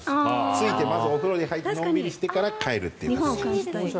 着いて、まずお風呂に入ってのんびりしてから帰るという。